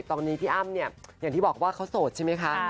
ตอนนี้พี่อ้ำเนี่ยอย่างที่บอกว่าเขาโสดใช่ไหมคะ